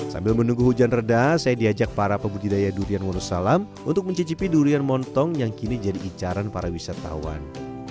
sambil menunggu hujan reda saya diajak para pembudidaya durian wonosalam untuk mencicipi durian montong yang kini jadi incaran para wisatawan